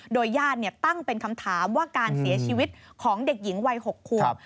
โดยญาติตั้งเป็นคำถามว่าการเสียชีวิตของเด็กหญิงวัย๖ควบ